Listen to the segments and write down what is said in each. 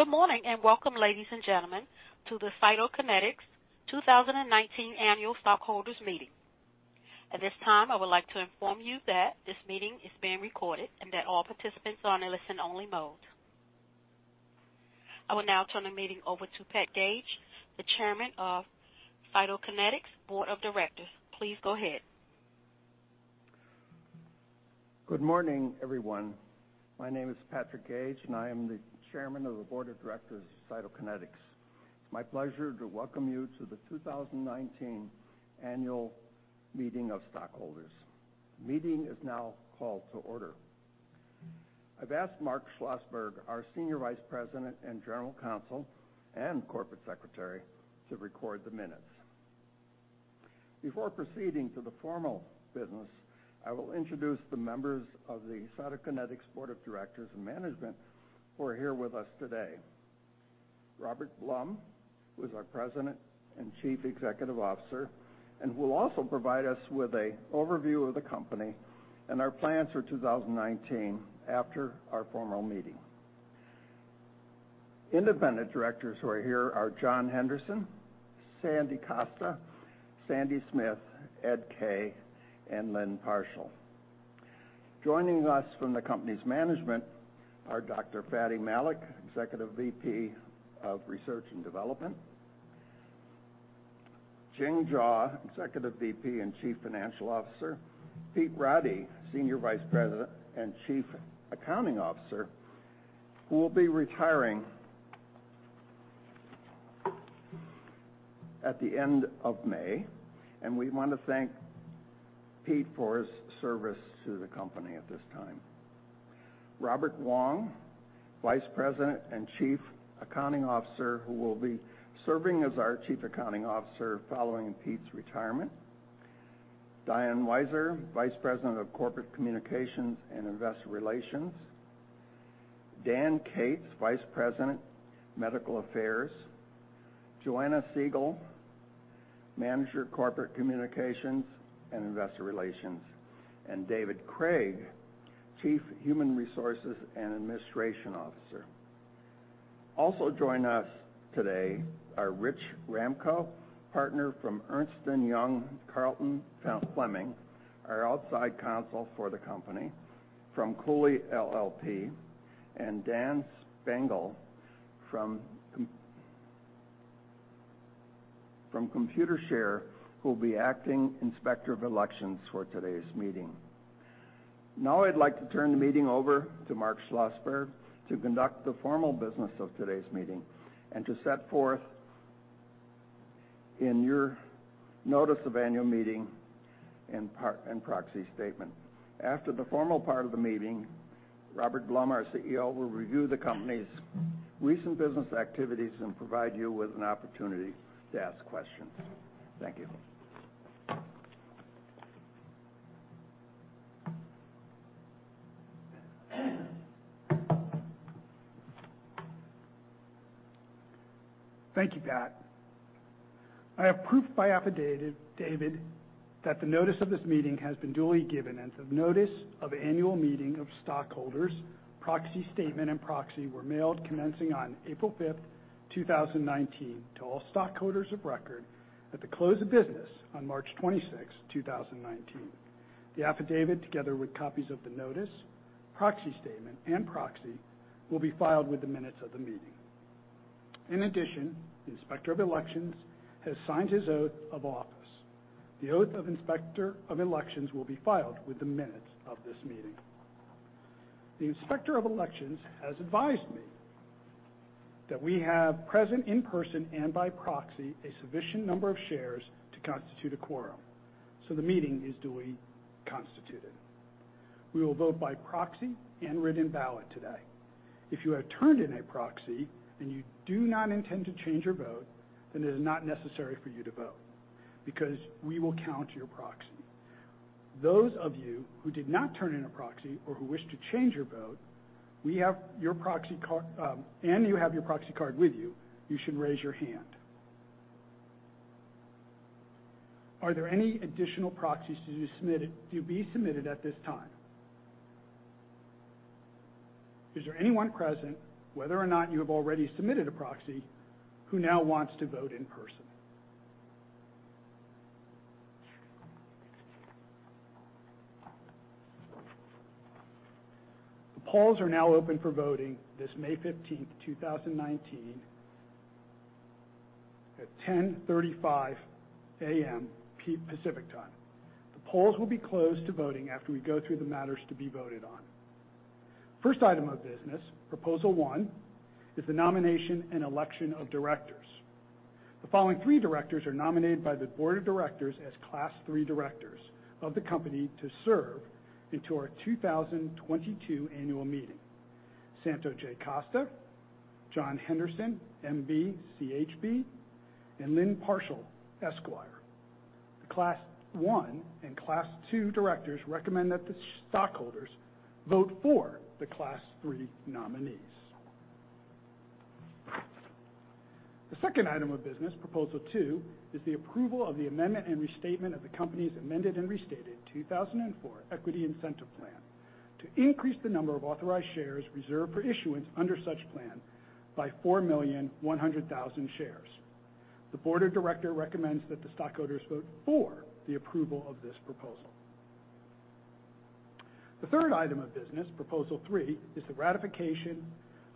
Good morning and welcome, ladies and gentlemen, to the Cytokinetics 2019 Annual Stockholders Meeting. At this time, I would like to inform you that this meeting is being recorded and that all participants are in a listen-only mode. I will now turn the meeting over to Pat Gage, the Chairman of Cytokinetics' Board of Directors. Please go ahead. Good morning, everyone. My name is Patrick Gage, and I am the Chairman of the Board of Directors of Cytokinetics. It's my pleasure to welcome you to the 2019 Annual Meeting of Stockholders. The meeting is now called to order. I've asked Mark Schlossberg, our Senior Vice President and General Counsel and Corporate Secretary, to record the minutes. Before proceeding to the formal business, I will introduce the members of the Cytokinetics Board of Directors and Management who are here with us today. Robert Blum, who is our President and Chief Executive Officer, and will also provide us with an overview of the company and our plans for 2019 after our formal meeting. Independent directors who are here are John Henderson, Sandy Costa, Sandy Smith, Ed Kaye, and Lynne Parshall. Joining us from the company's management are Dr. Fady Malik, Executive VP of Research and Development. Ching Jaw, Executive VP and Chief Financial Officer. Pete Roddy, Senior Vice President and Chief Accounting Officer, who will be retiring at the end of May, and we want to thank Pete for his service to the company at this time. Robert Wong, Vice President and Chief Accounting Officer, who will be serving as our Chief Accounting Officer following Pete's retirement. Diane Weiser, Vice President of Corporate Communications and Investor Relations. Dan Kates, Vice President, Medical Affairs. Joanna Segal, Manager, Corporate Communications and Investor Relations. David Cragg, Chief Human Resources and Administration Officer. Also joining us today are Rich Ramko, Partner from Ernst & Young. Carlton Fleming, our Outside Counsel for the company from Cooley LLP. Dan Spengel from Computershare, who will be acting Inspector of Elections for today's meeting. Now I'd like to turn the meeting over to Mark Schlossberg to conduct the formal business of today's meeting and to set forth in your Notice of Annual Meeting and Proxy Statement. After the formal part of the meeting, Robert Blum, our CEO, will review the company's recent business activities and provide you with an opportunity to ask questions. Thank you. Thank you, Pat. I have proof by affidavit that the notice of this meeting has been duly given and the notice of annual meeting of stockholders, proxy statement, and proxy were mailed commencing on April 5th, 2019 to all stockholders of record at the close of business on March 26th, 2019. The affidavit, together with copies of the notice, proxy statement, and proxy, will be filed with the minutes of the meeting. In addition, the Inspector of Elections has signed his oath of office. The oath of Inspector of Elections will be filed with the minutes of this meeting. The Inspector of Elections has advised me that we have present in person and by proxy a sufficient number of shares to constitute a quorum. The meeting is duly constituted. We will vote by proxy and written ballot today. If you have turned in a proxy and you do not intend to change your vote, it is not necessary for you to vote because we will count your proxy. Those of you who did not turn in a proxy or who wish to change your vote, and you have your proxy card with you should raise your hand. Are there any additional proxies to be submitted at this time? Is there anyone present, whether or not you have already submitted a proxy, who now wants to vote in person? The polls are now open for voting this May 15th, 2019, at 10:35 A.M. Pacific Time. The polls will be closed to voting after we go through the matters to be voted on. First item of business, Proposal 1, is the nomination and election of directors. The following three directors are nominated by the board of directors as Class III directors of the company to serve into our 2022 annual meeting. Santo J. Costa, John Henderson, MB, ChB, and Lynne Parshall, Esquire. The Class I and Class II directors recommend that the stockholders vote for the Class III nominees. Second item of business, Proposal 2, is the approval of the Amended and Restated 2004 Equity Incentive Plan to increase the number of authorized shares reserved for issuance under such plan by 4,100,000 shares. The board of directors recommends that the stockholders vote for the approval of this proposal. Third item of business, Proposal 3, is the ratification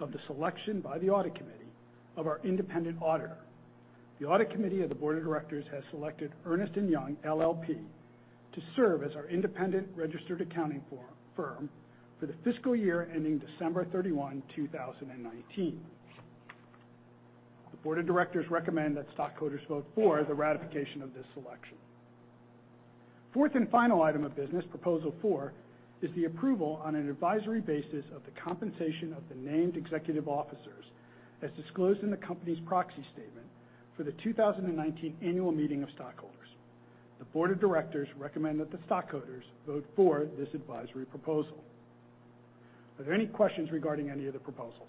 of the selection by the audit committee of our independent auditor. The audit committee of the board of directors has selected Ernst & Young LLP to serve as our independent registered accounting firm for the fiscal year ending December 31, 2019. The board of directors recommends that stockholders vote for the ratification of this election. Fourth and final item of business, Proposal 4, is the approval on an advisory basis of the compensation of the named executive officers as disclosed in the company's proxy statement for the 2019 annual meeting of stockholders. The board of directors recommends that the stockholders vote for this advisory proposal. Are there any questions regarding any of the proposals?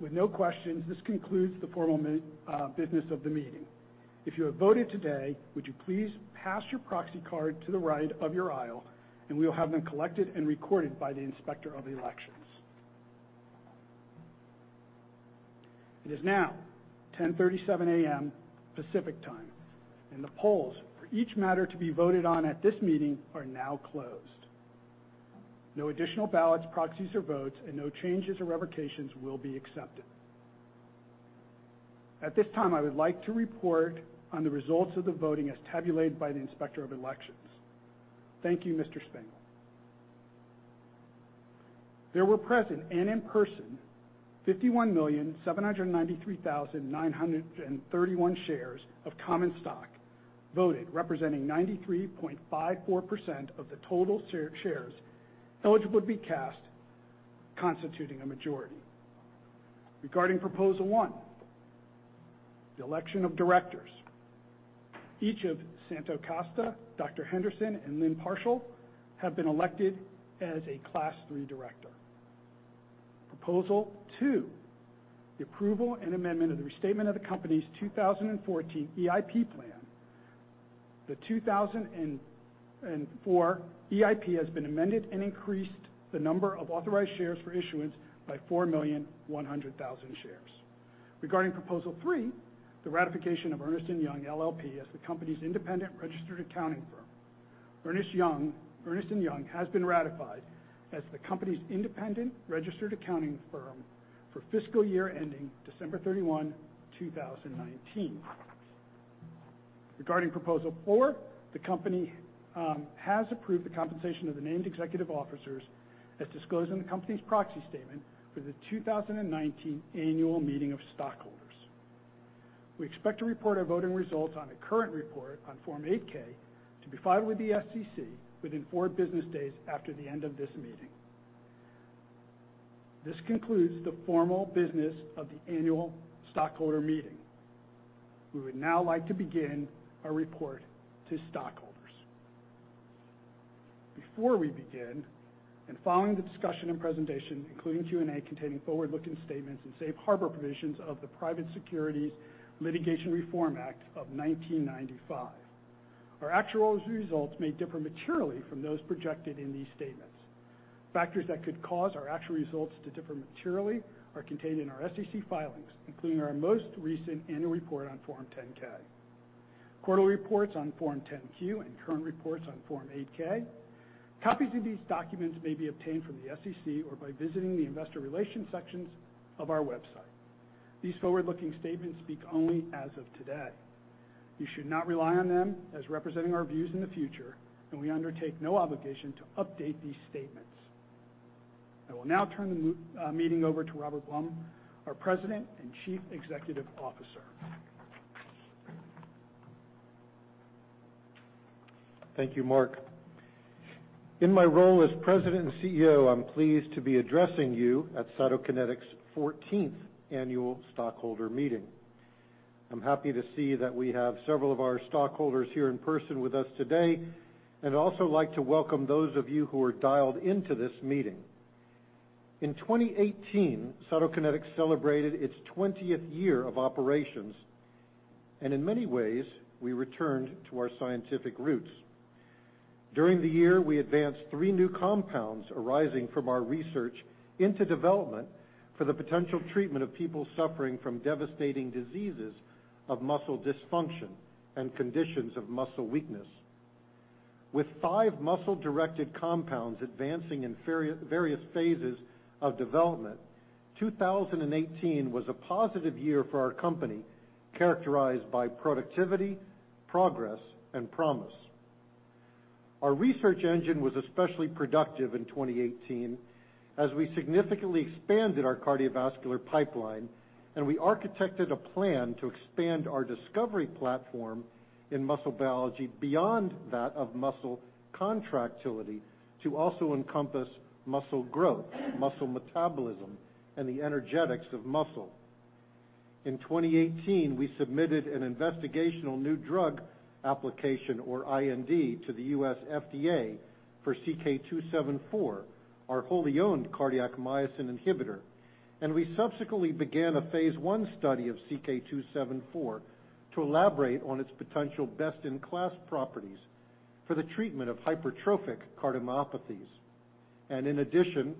With no questions, this concludes the formal business of the meeting. If you have voted today, would you please pass your proxy card to the right of your aisle, and we will have them collected and recorded by the Inspector of Elections. It is now 10:37 A.M. Pacific Time. The polls for each matter to be voted on at this meeting are now closed. No additional ballots, proxies, or votes and no changes or revocations will be accepted. At this time, I would like to report on the results of the voting as tabulated by the Inspector of Elections. Thank you, Mr. Spengel. There were present and in person 51,793,931 shares of common stock voted, representing 93.54% of the total shares eligible to be cast, constituting a majority. Regarding Proposal 1, the election of directors. Each of Santo Costa, Dr. Henderson, and Lynne Parshall have been elected as a Class III director. Proposal 2, the approval and amendment of the restatement of the company's 2004 EIP plan. The 2004 EIP has been amended and increased the number of authorized shares for issuance by 4,100,000 shares. Regarding Proposal 3, the ratification of Ernst & Young LLP as the company's independent registered accounting firm. Ernst & Young has been ratified as the company's independent registered accounting firm for fiscal year ending December 31, 2019. Regarding Proposal 4, the company has approved the compensation of the named executive officers as disclosed in the company's proxy statement for the 2019 annual meeting of stockholders. We expect to report our voting results on a current report on Form 8-K to be filed with the SEC within four business days after the end of this meeting. This concludes the formal business of the annual stockholder meeting. We would now like to begin our report to stockholders. Before we begin, and following the discussion and presentation, including Q&A, containing forward-looking statements and safe harbor provisions of the Private Securities Litigation Reform Act of 1995. Our actual results may differ materially from those projected in these statements. Factors that could cause our actual results to differ materially are contained in our SEC filings, including our most recent annual report on Form 10-K, quarterly reports on Form 10-Q, and current reports on Form 8-K. Copies of these documents may be obtained from the SEC or by visiting the investor relations sections of our website. These forward-looking statements speak only as of today. You should not rely on them as representing our views in the future, and we undertake no obligation to update these statements. I will now turn the meeting over to Robert Blum, our President and Chief Executive Officer. Thank you, Mark. In my role as President and CEO, I'm pleased to be addressing you at Cytokinetics' 14th annual stockholder meeting. I'm happy to see that we have several of our stockholders here in person with us today, and I'd also like to welcome those of you who are dialed into this meeting. In 2018, Cytokinetics celebrated its 20th year of operations, and in many ways, we returned to our scientific roots. During the year, we advanced three new compounds arising from our research into development for the potential treatment of people suffering from devastating diseases of muscle dysfunction and conditions of muscle weakness. With five muscle-directed compounds advancing in various phases of development, 2018 was a positive year for our company, characterized by productivity, progress, and promise. Our research engine was especially productive in 2018 as we significantly expanded our cardiovascular pipeline, we architected a plan to expand our discovery platform in muscle biology beyond that of muscle contractility to also encompass muscle growth, muscle metabolism, and the energetics of muscle. In 2018, we submitted an investigational new drug application, or IND, to the U.S. FDA for CK-274, our wholly owned cardiac myosin inhibitor. We subsequently began a phase I study of CK-274 to elaborate on its potential best-in-class properties for the treatment of hypertrophic cardiomyopathies. In addition,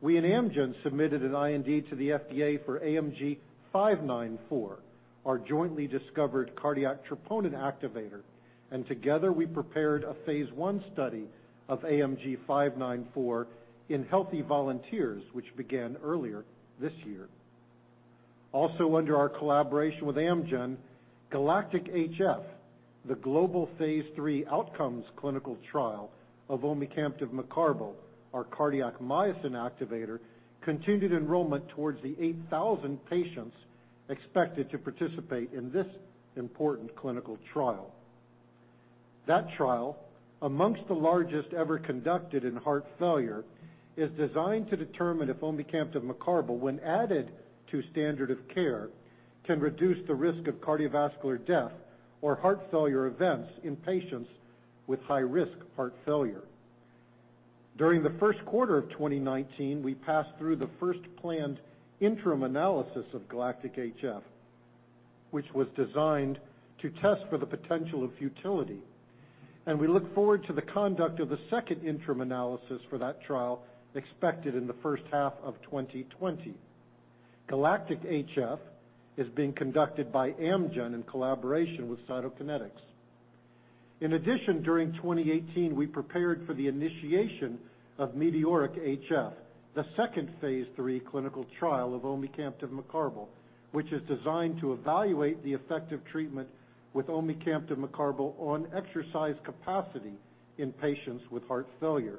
we and Amgen submitted an IND to the FDA for AMG 594, our jointly discovered cardiac troponin activator. Together, we prepared a phase I study of AMG 594 in healthy volunteers, which began earlier this year. Also under our collaboration with Amgen, GALACTIC-HF, the global phase III outcomes clinical trial of omecamtiv mecarbil, our cardiac myosin activator, continued enrollment towards the 8,000 patients expected to participate in this important clinical trial. That trial, amongst the largest ever conducted in heart failure, is designed to determine if omecamtiv mecarbil, when added to standard of care, can reduce the risk of cardiovascular death or heart failure events in patients with high-risk heart failure. During the first quarter of 2019, we passed through the first planned interim analysis of GALACTIC-HF, which was designed to test for the potential of futility. We look forward to the conduct of the second interim analysis for that trial expected in the first half of 2020. GALACTIC-HF is being conducted by Amgen in collaboration with Cytokinetics. In addition, during 2018, we prepared for the initiation of METEORIC-HF, the second phase III clinical trial of omecamtiv mecarbil, which is designed to evaluate the effective treatment with omecamtiv mecarbil on exercise capacity in patients with heart failure.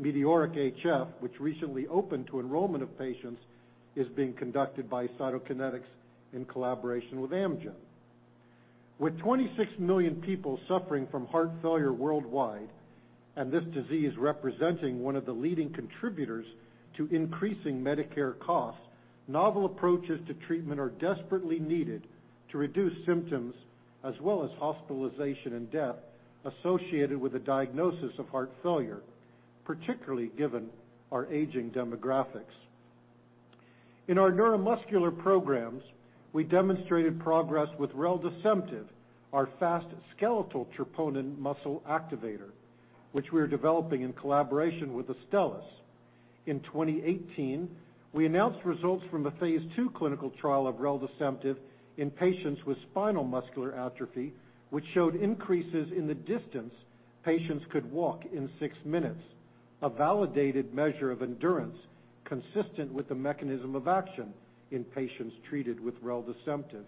METEORIC-HF, which recently opened to enrollment of patients, is being conducted by Cytokinetics in collaboration with Amgen. With 26 million people suffering from heart failure worldwide and this disease representing one of the leading contributors to increasing Medicare costs, novel approaches to treatment are desperately needed to reduce symptoms as well as hospitalization and death associated with a diagnosis of heart failure, particularly given our aging demographics. In our neuromuscular programs, we demonstrated progress with reldesemtiv, our fast skeletal muscle troponin activator, which we're developing in collaboration with Astellas. In 2018, we announced results from a phase II clinical trial of reldesemtiv in patients with spinal muscular atrophy, which showed increases in the distance patients could walk in 6 minutes, a validated measure of endurance consistent with the mechanism of action in patients treated with reldesemtiv.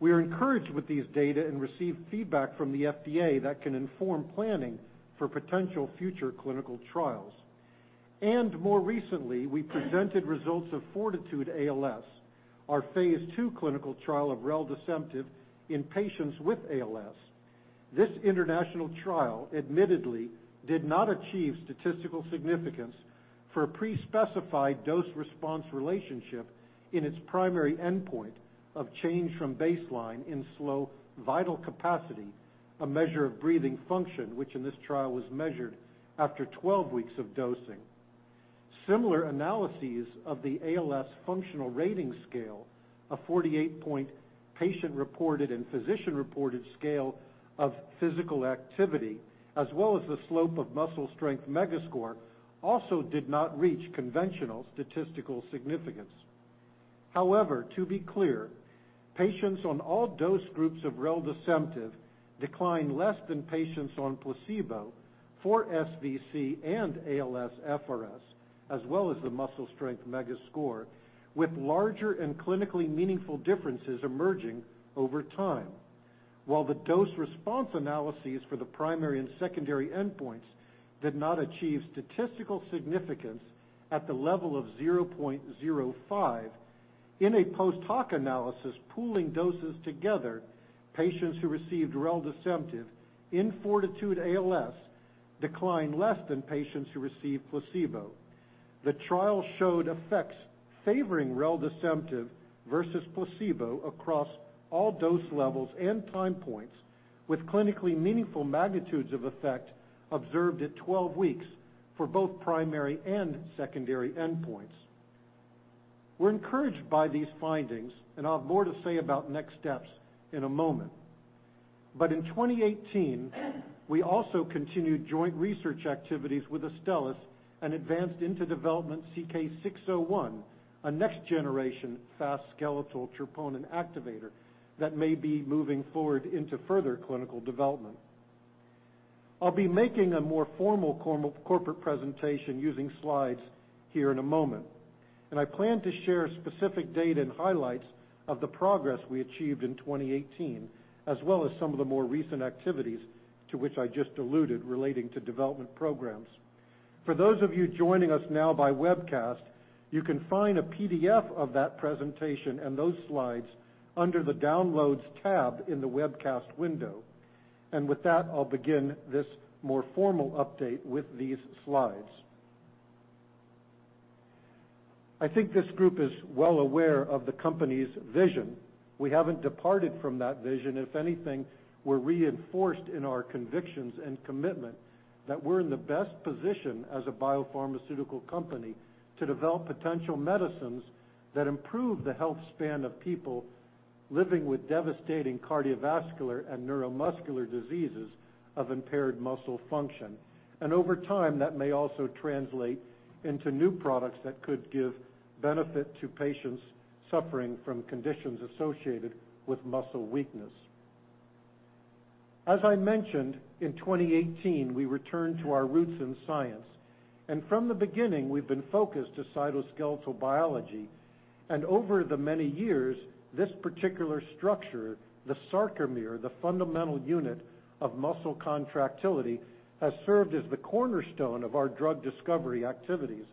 We are encouraged with these data and received feedback from the FDA that can inform planning for potential future clinical trials. More recently, we presented results of FORTITUDE-ALS, our phase II clinical trial of reldesemtiv in patients with ALS. This international trial admittedly did not achieve statistical significance for a pre-specified dose/response relationship in its primary endpoint of change from baseline in slow vital capacity, a measure of breathing function, which in this trial was measured after 12 weeks of dosing. Similar analyses of the ALS Functional Rating Scale, a 48-point patient-reported and physician-reported scale of physical activity, as well as the slope of muscle strength megascore, also did not reach conventional statistical significance. To be clear, patients on all dose groups of reldesemtiv declined less than patients on placebo for SVC and ALSFRS, as well as the muscle strength megascore, with larger and clinically meaningful differences emerging over time. While the dose/response analyses for the primary and secondary endpoints did not achieve statistical significance at the level of 0.05, in a post hoc analysis pooling doses together, patients who received reldesemtiv in FORTITUDE-ALS declined less than patients who received placebo. The trial showed effects favoring reldesemtiv versus placebo across all dose levels and time points, with clinically meaningful magnitudes of effect observed at 12 weeks for both primary and secondary endpoints. We're encouraged by these findings and I'll have more to say about next steps in a moment. In 2018, we also continued joint research activities with Astellas and advanced into development CK-601, a next generation fast skeletal troponin activator that may be moving forward into further clinical development. I'll be making a more formal corporate presentation using slides here in a moment, and I plan to share specific data and highlights of the progress we achieved in 2018, as well as some of the more recent activities to which I just alluded relating to development programs. For those of you joining us now by webcast, you can find a PDF of that presentation and those slides under the Downloads tab in the webcast window. With that, I'll begin this more formal update with these slides. I think this group is well aware of the company's vision. We haven't departed from that vision. If anything, we're reinforced in our convictions and commitment that we're in the best position as a biopharmaceutical company to develop potential medicines that improve the health span of people living with devastating cardiovascular and neuromuscular diseases of impaired muscle function. Over time, that may also translate into new products that could give benefit to patients suffering from conditions associated with muscle weakness. As I mentioned, in 2018, we returned to our roots in science, and from the beginning, we've been focused to cytoskeletal biology. Over the many years, this particular structure, the sarcomere, the fundamental unit of muscle contractility, has served as the cornerstone of our drug discovery activities.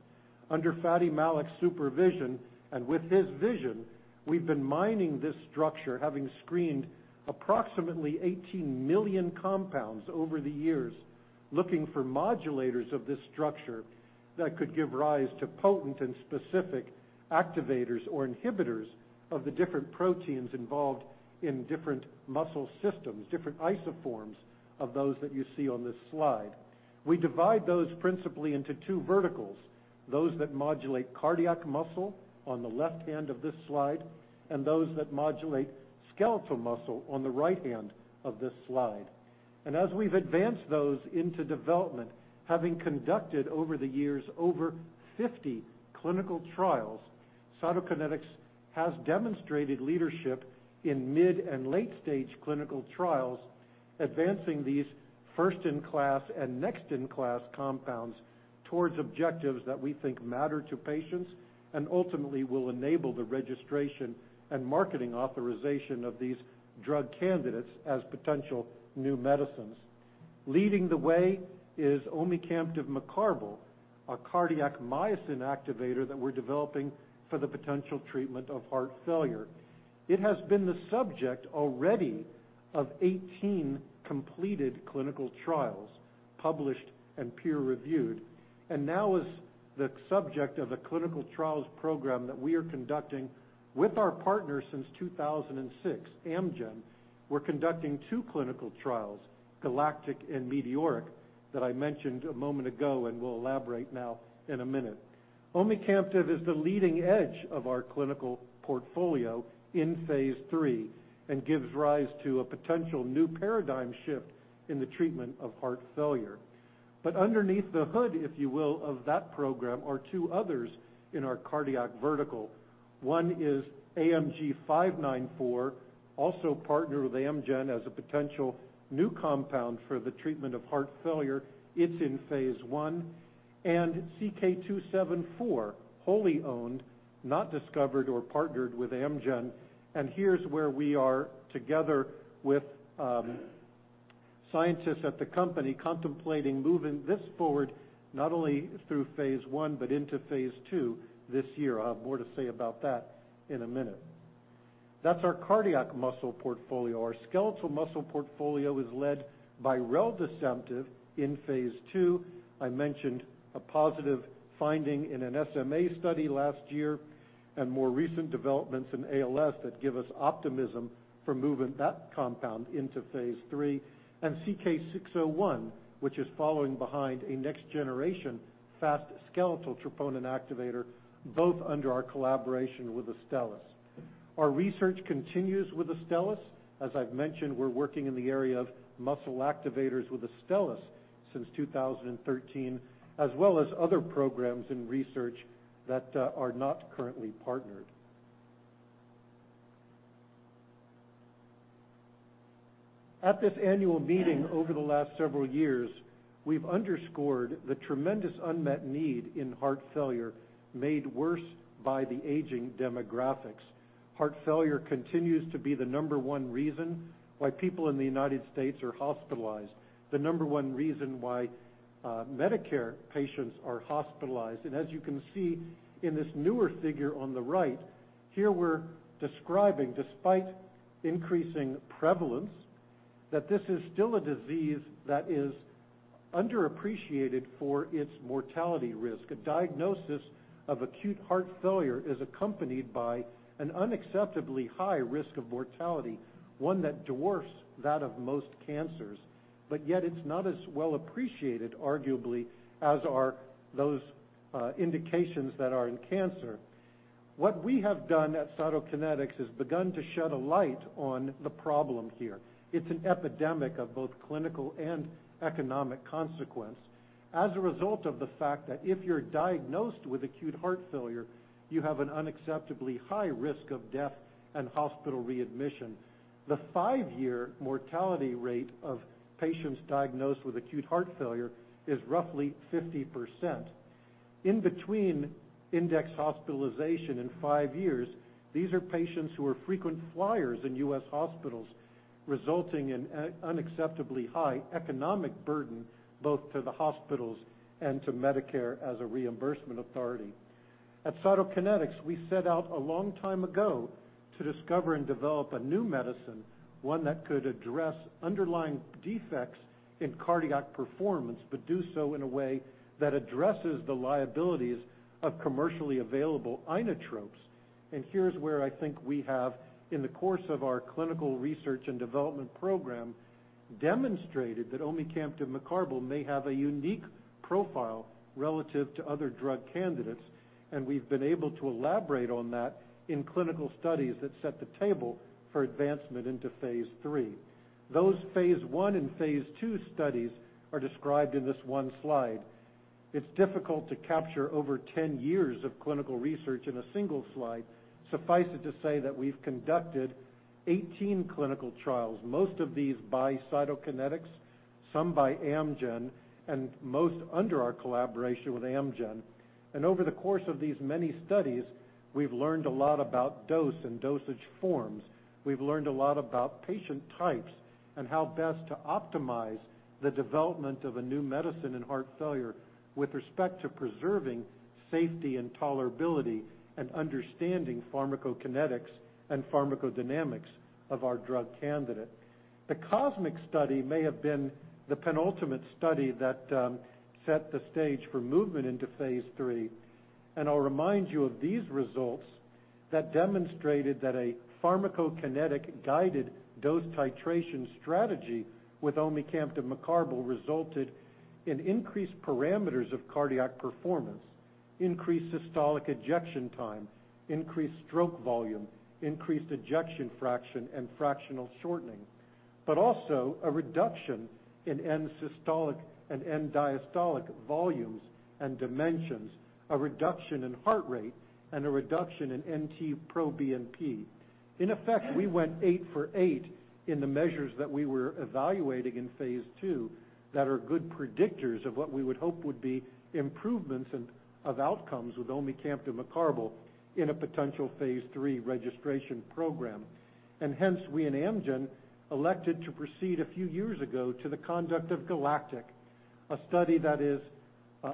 Under Fady Malik's supervision and with his vision, we've been mining this structure, having screened approximately 18 million compounds over the years, looking for modulators of this structure that could give rise to potent and specific activators or inhibitors of the different proteins involved in different muscle systems, different isoforms of those that you see on this slide. We divide those principally into two verticals, those that modulate cardiac muscle on the left hand of this slide, and those that modulate skeletal muscle on the right hand of this slide. As we've advanced those into development, having conducted over the years over 50 clinical trials, Cytokinetics has demonstrated leadership in mid and late-stage clinical trials, advancing these first-in-class and next-in-class compounds towards objectives that we think matter to patients and ultimately will enable the registration and marketing authorization of these drug candidates as potential new medicines. Leading the way is omecamtiv mecarbil, a cardiac myosin activator that we're developing for the potential treatment of heart failure. It has been the subject already of 18 completed clinical trials, published and peer-reviewed, and now is the subject of a clinical trials program that we are conducting with our partner since 2006, Amgen. We're conducting two clinical trials, GALACTIC and METEORIC, that I mentioned a moment ago and will elaborate now in a minute. Omecamtiv is the leading edge of our clinical portfolio in phase III and gives rise to a potential new paradigm shift in the treatment of heart failure. Underneath the hood, if you will, of that program are two others in our cardiac vertical. One is AMG 594, also partnered with Amgen as a potential new compound for the treatment of heart failure. It's in phase I. CK 274, wholly owned, not discovered or partnered with Amgen. Here's where we are together with scientists at the company contemplating moving this forward, not only through phase I, but into phase II this year. I'll have more to say about that in a minute. That's our cardiac muscle portfolio. Our skeletal muscle portfolio is led by reldesemtiv in phase II. I mentioned a positive finding in an SMA study last year and more recent developments in ALS that give us optimism for moving that compound into phase III. CK 601, which is following behind a next generation fast skeletal troponin activator, both under our collaboration with Astellas. Our research continues with Astellas. As I've mentioned, we're working in the area of muscle activators with Astellas since 2013, as well as other programs in research that are not currently partnered. At this annual meeting over the last several years, we've underscored the tremendous unmet need in heart failure, made worse by the aging demographics. Heart failure continues to be the number one reason why people in the U.S. are hospitalized, the number one reason why Medicare patients are hospitalized. As you can see in this newer figure on the right, here we're describing, despite increasing prevalence, that this is still a disease that is underappreciated for its mortality risk. A diagnosis of acute heart failure is accompanied by an unacceptably high risk of mortality, one that dwarfs that of most cancers. Yet it's not as well appreciated, arguably, as are those indications that are in cancer. What we have done at Cytokinetics is begun to shed a light on the problem here. It's an epidemic of both clinical and economic consequence. As a result of the fact that if you're diagnosed with acute heart failure, you have an unacceptably high risk of death and hospital readmission. The five-year mortality rate of patients diagnosed with acute heart failure is roughly 50%. In between index hospitalization and five years, these are patients who are frequent flyers in U.S. hospitals, resulting in unacceptably high economic burden, both to the hospitals and to Medicare as a reimbursement authority. At Cytokinetics, we set out a long time ago to discover and develop a new medicine, one that could address underlying defects in cardiac performance, but do so in a way that addresses the liabilities of commercially available inotropes. Here's where I think we have, in the course of our clinical research and development program, demonstrated that omecamtiv mecarbil may have a unique profile relative to other drug candidates, and we've been able to elaborate on that in clinical studies that set the table for advancement into phase III. Those phase I and phase II studies are described in this one slide. It's difficult to capture over 10 years of clinical research in a single slide. Suffice it to say that we've conducted 18 clinical trials, most of these by Cytokinetics, some by Amgen, and most under our collaboration with Amgen. Over the course of these many studies, we've learned a lot about dose and dosage forms. We've learned a lot about patient types and how best to optimize the development of a new medicine in heart failure with respect to preserving safety and tolerability and understanding pharmacokinetics and pharmacodynamics of our drug candidate. The COSMIC study may have been the penultimate study that set the stage for movement into phase III, and I'll remind you of these results that demonstrated that a pharmacokinetic-guided dose titration strategy with omecamtiv mecarbil resulted in increased parameters of cardiac performance, increased systolic ejection time, increased stroke volume, increased ejection fraction, and fractional shortening, but also a reduction in end-systolic and end-diastolic volumes and dimensions, a reduction in heart rate, and a reduction in NT-proBNP. In effect, we went 8 for 8 in the measures that we were evaluating in phase II that are good predictors of what we would hope would be improvements of outcomes with omecamtiv mecarbil in a potential phase III registration program. Hence, we and Amgen elected to proceed a few years ago to the conduct of GALACTIC, a study that is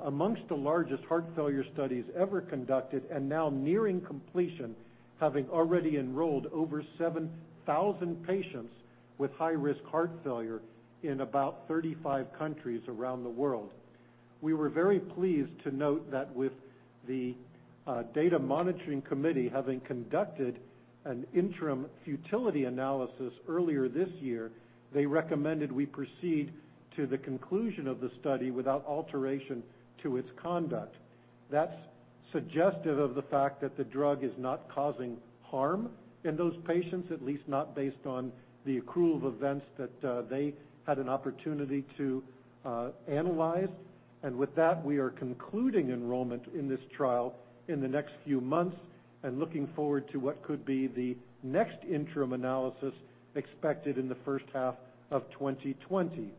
amongst the largest heart failure studies ever conducted and now nearing completion, having already enrolled over 7,000 patients with high-risk heart failure in about 35 countries around the world. We were very pleased to note that with the Data Monitoring Committee having conducted an interim futility analysis earlier this year, they recommended we proceed to the conclusion of the study without alteration to its conduct. That's suggestive of the fact that the drug is not causing harm in those patients, at least not based on the accrual of events that they had an opportunity to analyze. With that, we are concluding enrollment in this trial in the next few months and looking forward to what could be the next interim analysis expected in the first half of 2020.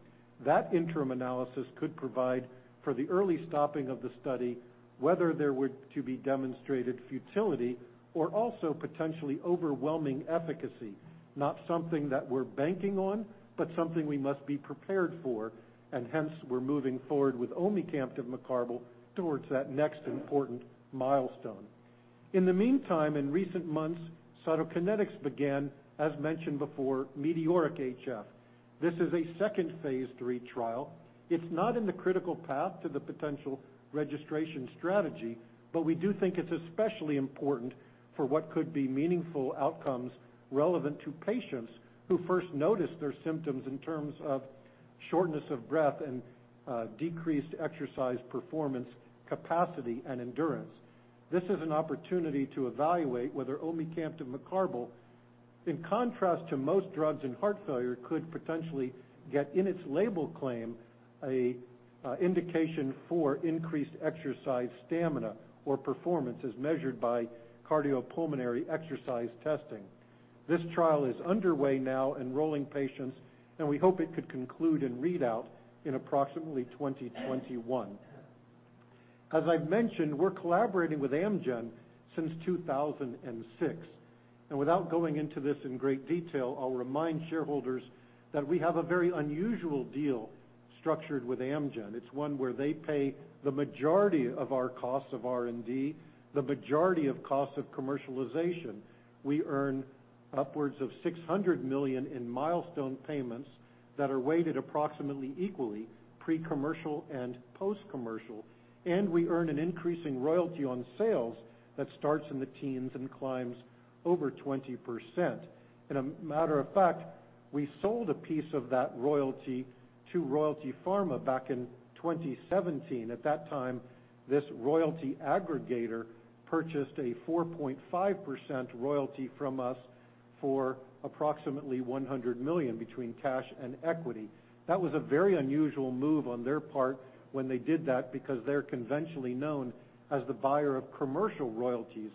That interim analysis could provide for the early stopping of the study, whether there were to be demonstrated futility or also potentially overwhelming efficacy. Not something that we're banking on, but something we must be prepared for, and hence we're moving forward with omecamtiv mecarbil towards that next important milestone. In the meantime, in recent months, Cytokinetics began, as mentioned before, METEORIC-HF. This is a second phase III trial. It's not in the critical path to the potential registration strategy, but we do think it's especially important for what could be meaningful outcomes relevant to patients who first notice their symptoms in terms of shortness of breath and decreased exercise performance capacity and endurance. This is an opportunity to evaluate whether omecamtiv mecarbil, in contrast to most drugs in heart failure, could potentially get in its label claim an indication for increased exercise stamina or performance as measured by cardiopulmonary exercise testing. This trial is underway now, enrolling patients, and we hope it could conclude in readout in approximately 2021. As I've mentioned, we're collaborating with Amgen since 2006. Without going into this in great detail, I'll remind shareholders that we have a very unusual deal structured with Amgen. It's one where they pay the majority of our costs of R&D, the majority of costs of commercialization. We earn upwards of $600 million in milestone payments that are weighted approximately equally pre-commercial and post-commercial, we earn an increasing royalty on sales that starts in the teens and climbs over 20%. A matter of fact, we sold a piece of that royalty to Royalty Pharma back in 2017. At that time, this royalty aggregator purchased a 4.5% royalty from us for approximately $100 million between cash and equity. That was a very unusual move on their part when they did that because they're conventionally known as the buyer of commercial royalties,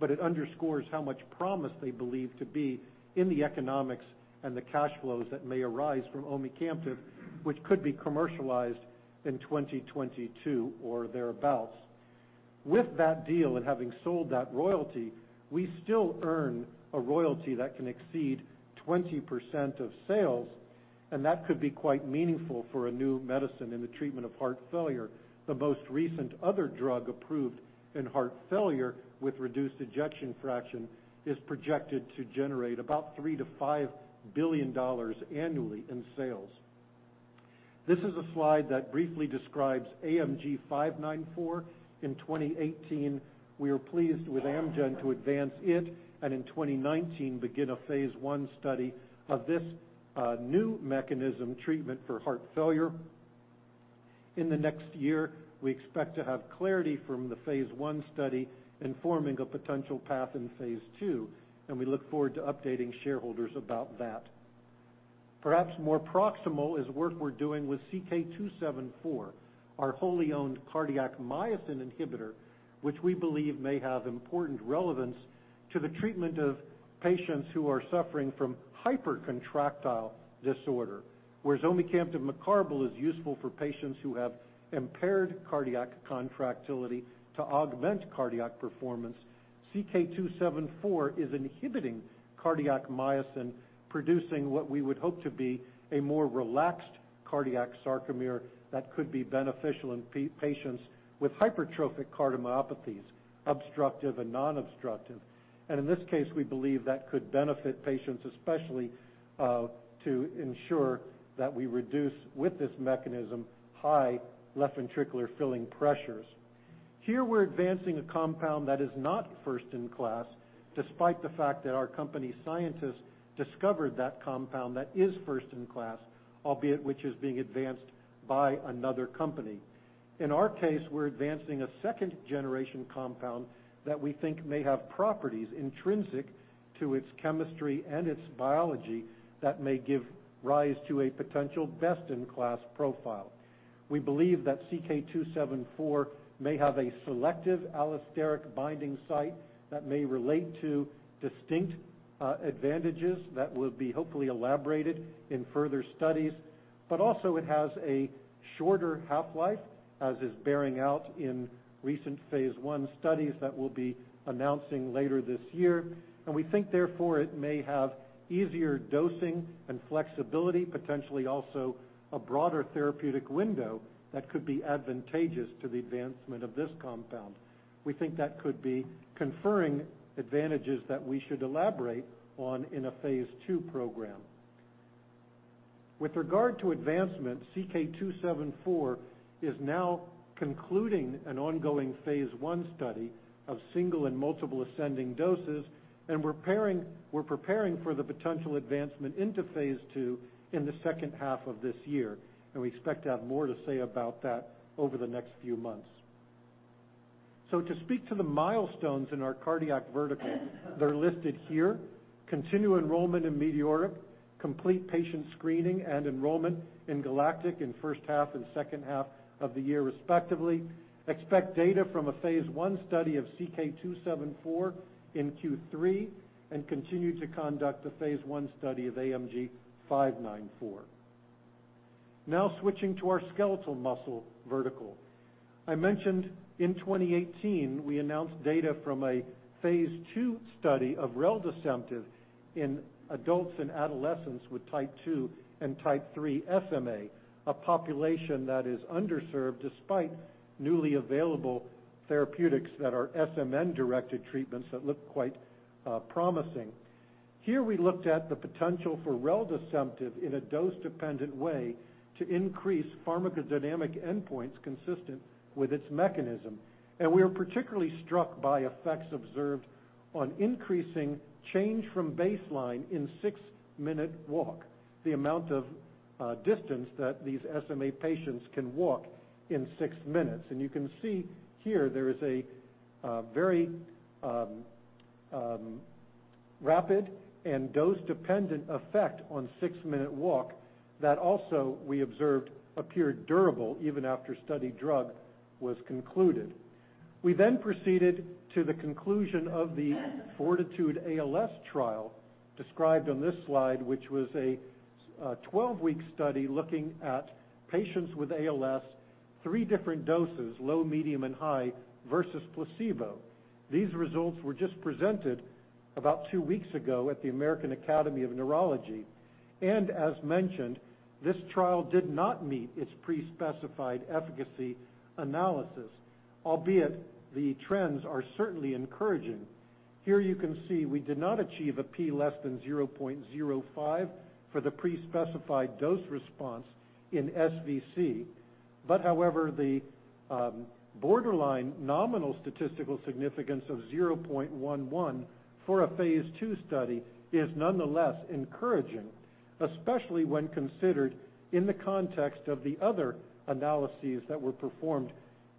but it underscores how much promise they believe to be in the economics and the cash flows that may arise from omecamtiv, which could be commercialized in 2022 or thereabouts. With that deal and having sold that royalty, we still earn a royalty that can exceed 20% of sales. That could be quite meaningful for a new medicine in the treatment of heart failure. The most recent other drug approved in heart failure with reduced ejection fraction is projected to generate about $3 billion-$5 billion annually in sales. This is a slide that briefly describes AMG 594. In 2018, we are pleased with Amgen to advance it, in 2019, begin a phase I study of this new mechanism treatment for heart failure. In the next year, we expect to have clarity from the phase I study in forming a potential path in phase II, we look forward to updating shareholders about that. Perhaps more proximal is work we're doing with CK 274, our wholly owned cardiac myosin inhibitor, which we believe may have important relevance to the treatment of patients who are suffering from hypercontractile disorder. Whereas omecamtiv mecarbil is useful for patients who have impaired cardiac contractility to augment cardiac performance, CK 274 is inhibiting cardiac myosin, producing what we would hope to be a more relaxed cardiac sarcomere that could be beneficial in patients with hypertrophic cardiomyopathies, obstructive and non-obstructive. In this case, we believe that could benefit patients, especially to ensure that we reduce, with this mechanism, high left ventricular filling pressures. Here, we're advancing a compound that is not first in class, despite the fact that our company scientists discovered that compound that is first in class, albeit which is being advanced by another company. In our case, we're advancing a second-generation compound that we think may have properties intrinsic to its chemistry and its biology that may give rise to a potential best-in-class profile. We believe that CK-274 may have a selective allosteric binding site that may relate to distinct advantages that will be hopefully elaborated in further studies. It also has a shorter half-life, as is bearing out in recent phase I studies that we'll be announcing later this year. We think, therefore, it may have easier dosing and flexibility, potentially also a broader therapeutic window that could be advantageous to the advancement of this compound. We think that could be conferring advantages that we should elaborate on in a phase II program. With regard to advancement, CK-274 is now concluding an ongoing phase I study of single and multiple ascending doses, we're preparing for the potential advancement into phase II in the second half of this year. We expect to have more to say about that over the next few months. To speak to the milestones in our cardiac vertical, they're listed here. Continue enrollment in METEORIC, complete patient screening and enrollment in GALACTIC in the first half and second half of the year respectively, expect data from a phase I study of CK-274 in Q3, and continue to conduct a phase I study of AMG 594. Switching to our skeletal muscle vertical. I mentioned in 2018, we announced data from a phase II study of reldesemtiv in adults and adolescents with type 2 and type 3 SMA, a population that is underserved despite newly available therapeutics that are SMN-directed treatments that look quite promising. Here, we looked at the potential for reldesemtiv in a dose-dependent way to increase pharmacodynamic endpoints consistent with its mechanism. We are particularly struck by effects observed on increasing change from baseline in six-minute walk, the amount of distance that these SMA patients can walk in six minutes. You can see here, there is a very rapid and dose-dependent effect on six-minute walk that also we observed appeared durable even after study drug was concluded. We proceeded to the conclusion of the FORTITUDE-ALS trial described on this slide, which was a 12-week study looking at patients with ALS, three different doses, low, medium, and high, versus placebo. These results were just presented about two weeks ago at the American Academy of Neurology. As mentioned, this trial did not meet its pre-specified efficacy analysis, albeit the trends are certainly encouraging. Here you can see we did not achieve a p less than 0.05 for the pre-specified dose response in SVC. However, the borderline nominal statistical significance of 0.11 for a phase II study is nonetheless encouraging, especially when considered in the context of the other analyses that were performed.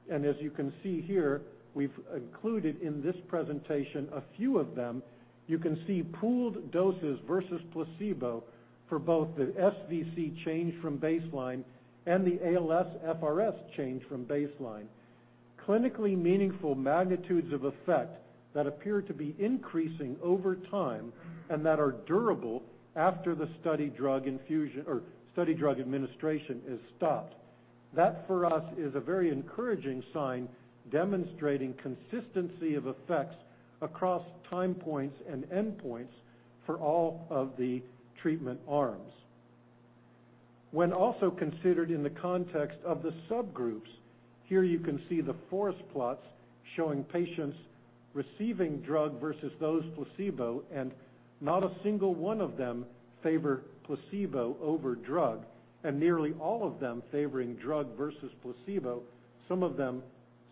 As you can see here, we've included in this presentation a few of them. You can see pooled doses versus placebo for both the SVC change from baseline and the ALSFRS change from baseline. Clinically meaningful magnitudes of effect that appear to be increasing over time and that are durable after the study drug administration is stopped. That for us is a very encouraging sign, demonstrating consistency of effects across time points and endpoints for all of the treatment arms. When also considered in the context of the subgroups, here you can see the forest plots showing patients receiving drug versus those placebo, and not a single one of them favor placebo over drug, and nearly all of them favoring drug versus placebo, some of them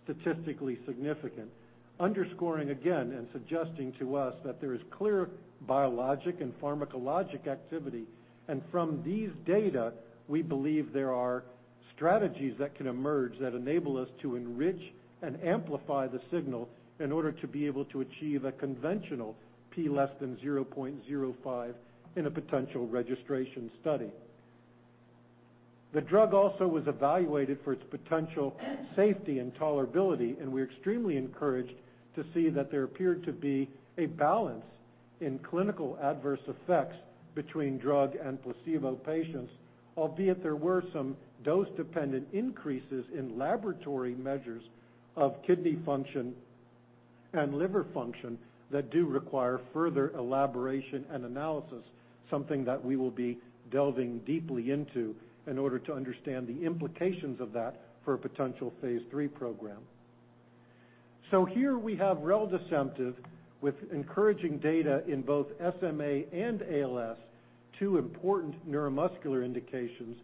statistically significant. Underscoring again and suggesting to us that there is clear biologic and pharmacologic activity. From these data, we believe there are strategies that can emerge that enable us to enrich and amplify the signal in order to be able to achieve a conventional P less than 0.05 in a potential registration study. The drug also was evaluated for its potential safety and tolerability, and we're extremely encouraged to see that there appeared to be a balance in clinical adverse effects between drug and placebo patients, albeit there were some dose-dependent increases in laboratory measures of kidney function and liver function that do require further elaboration and analysis, something that we will be delving deeply into in order to understand the implications of that for a potential phase III program. Here we have reldesemtiv with encouraging data in both SMA and ALS, two important neuromuscular indications.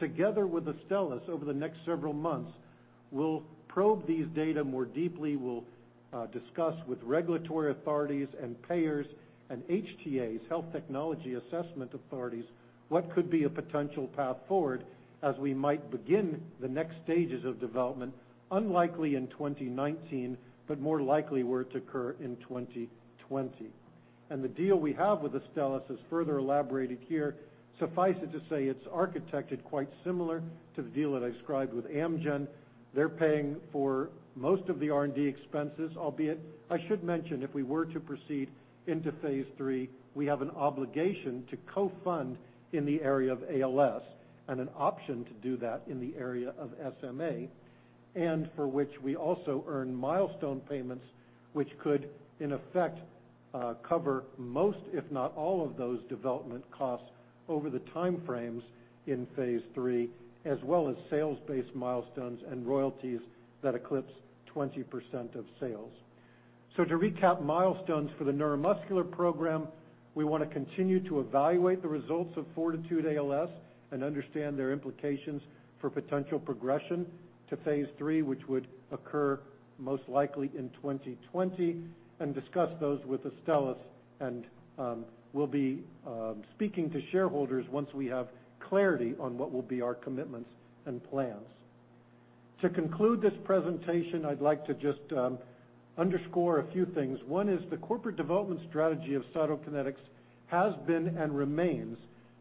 Together with Astellas over the next several months, we'll probe these data more deeply, we'll discuss with regulatory authorities and payers and HTAs, health technology assessment authorities, what could be a potential path forward as we might begin the next stages of development, unlikely in 2019, but more likely were to occur in 2020. The deal we have with Astellas is further elaborated here. Suffice it to say, it's architected quite similar to the deal that I described with Amgen. They're paying for most of the R&D expenses, albeit I should mention, if we were to proceed into phase III, we have an obligation to co-fund in the area of ALS and an option to do that in the area of SMA, and for which we also earn milestone payments, which could, in effect, cover most, if not all of those development costs over the time frames in phase III, as well as sales-based milestones and royalties that eclipse 20% of sales. To recap milestones for the neuromuscular program, we want to continue to evaluate the results of FORTITUDE-ALS and understand their implications for potential progression to phase III, which would occur most likely in 2020, and discuss those with Astellas. We'll be speaking to shareholders once we have clarity on what will be our commitments and plans. To conclude this presentation, I'd like to just underscore a few things. One is the corporate development strategy of Cytokinetics has been and remains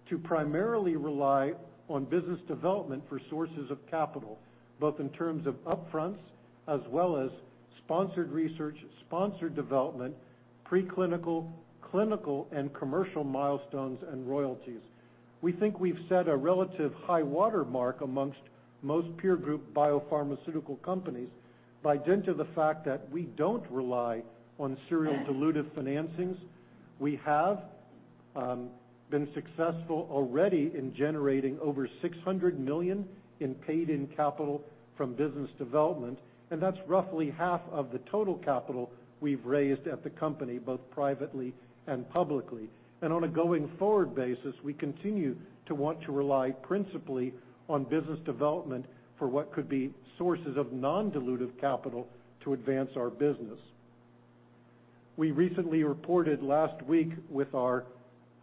to primarily rely on business development for sources of capital, both in terms of upfronts as well as sponsored research, sponsored development, preclinical, clinical, and commercial milestones and royalties. We think we've set a relative high watermark amongst most peer group biopharmaceutical companies by dint of the fact that we don't rely on serial dilutive financings. We have been successful already in generating over $600 million in paid-in capital from business development, and that's roughly half of the total capital we've raised at the company, both privately and publicly. On a going-forward basis, we continue to want to rely principally on business development for what could be sources of non-dilutive capital to advance our business. We recently reported last week with our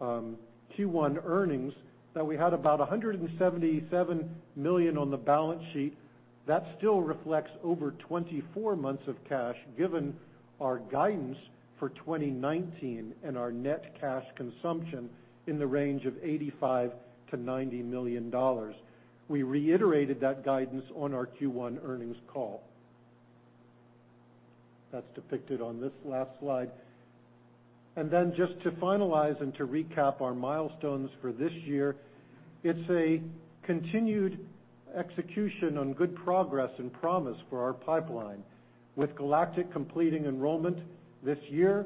Q1 earnings that we had about $177 million on the balance sheet. That still reflects over 24 months of cash, given our guidance for 2019 and our net cash consumption in the range of $85 million-$90 million. We reiterated that guidance on our Q1 earnings call. That's depicted on this last slide. Then just to finalize and to recap our milestones for this year, it's a continued execution on good progress and promise for our pipeline. With GALACTIC completing enrollment this year,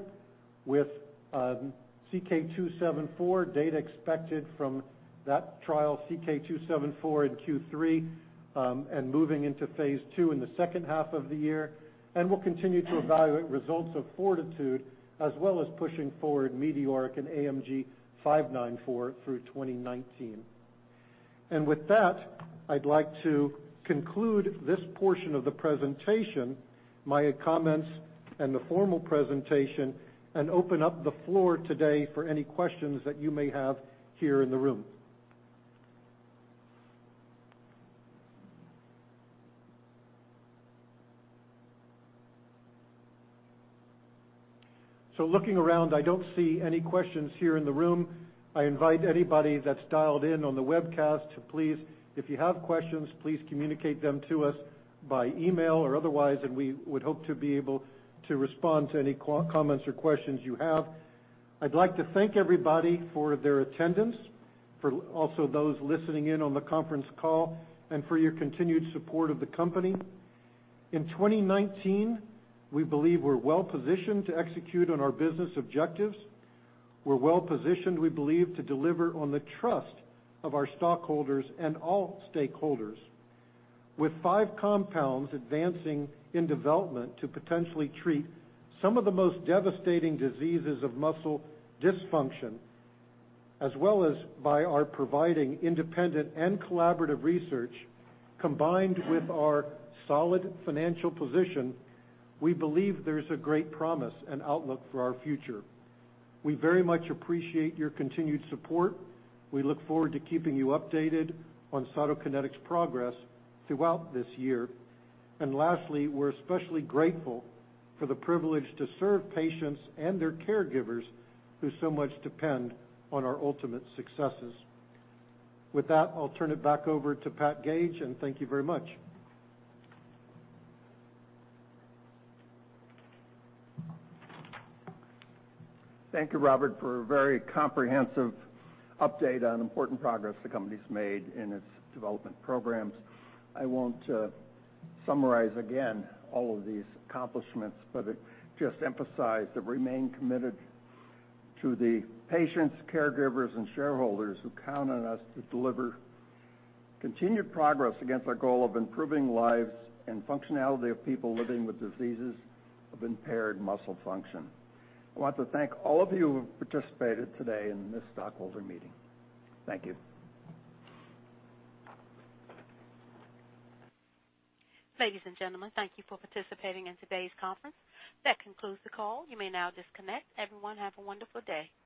with CK-274 data expected from that trial, CK-274 in Q3, and moving into phase II in the second half of the year. We'll continue to evaluate results of FORTITUDE, as well as pushing forward METEORIC and AMG 594 through 2019. With that, I'd like to conclude this portion of the presentation, my comments and the formal presentation, and open up the floor today for any questions that you may have here in the room. Looking around, I don't see any questions here in the room. I invite anybody that's dialed in on the webcast to please, if you have questions, please communicate them to us by email or otherwise, and we would hope to be able to respond to any comments or questions you have. I'd like to thank everybody for their attendance, for also those listening in on the conference call, and for your continued support of the company. In 2019, we believe we're well-positioned to execute on our business objectives. We're well-positioned, we believe, to deliver on the trust of our stockholders and all stakeholders. With five compounds advancing in development to potentially treat some of the most devastating diseases of muscle dysfunction, as well as by our providing independent and collaborative research, combined with our solid financial position, we believe there's a great promise and outlook for our future. We very much appreciate your continued support. We look forward to keeping you updated on Cytokinetics' progress throughout this year. Lastly, we're especially grateful for the privilege to serve patients and their caregivers who so much depend on our ultimate successes. With that, I'll turn it back over to Pat Gage, and thank you very much. Thank you, Robert, for a very comprehensive update on important progress the company's made in its development programs. I won't summarize again all of these accomplishments, but just emphasize that remain committed to the patients, caregivers, and shareholders who count on us to deliver continued progress against our goal of improving lives and functionality of people living with diseases of impaired muscle function. I want to thank all of you who participated today in this stockholder meeting. Thank you. Ladies and gentlemen, thank you for participating in today's conference. That concludes the call. You may now disconnect. Everyone, have a wonderful day.